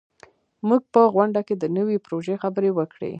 موږ په غونډه کې د نوي پروژې خبرې وکړې.